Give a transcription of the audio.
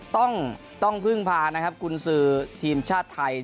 ต้องพึ่งพานะครับกุญสือทีมชาติไทย